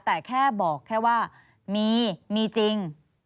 แต่แค่บอกแค่ว่ามีมีจริง